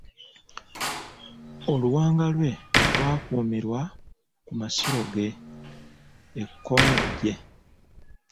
Oluwanga lwe lwakuumirwa ku masiro ge, e Kkongojje.